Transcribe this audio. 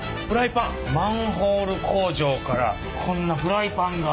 マンホール工場からこんなフライパンが。